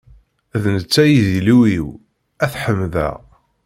D netta i d Illu-iw, ad t-ḥemdeɣ.